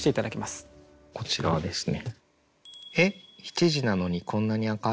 こちらですね。